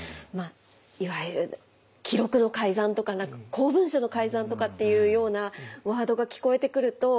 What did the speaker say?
いわゆる記録の改ざんとか公文書の改ざんとかっていうようなワードが聞こえてくると。